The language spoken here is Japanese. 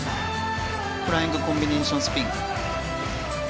フライングコンビネーションスピン。